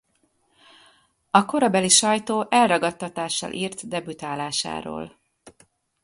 A korabeli sajtó elragadtatással írt debütálásáról.